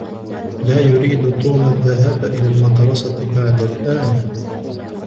لا يريد توم الذهاب الي المدرسه بعد الان